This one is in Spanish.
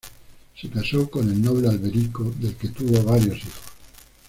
Se casó con el noble Alberico, del que tuvo varios hijos.